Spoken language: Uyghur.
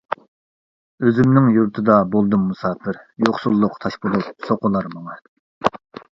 ئۆزۈمنىڭ يۇرتىدا بولدۇم مۇساپىر، يوقسۇللۇق تاش بولۇپ سوقۇلار ماڭا.